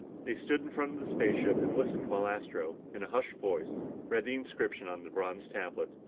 They stood in front of the spaceship and listened while Astro, in a hushed voice, read the inscription on the bronze tablet.